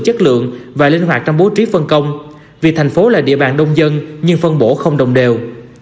chất lượng và linh hoạt trong bố trí phân công vì thành phố là địa bàn đông dân nhưng phân bổ không đồng đều